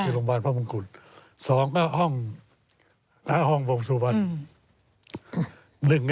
๒อ้อห้องน้ำปลสลุก